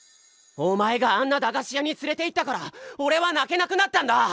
お前があんな駄菓子屋に連れていったからおれは泣けなくなったんだ！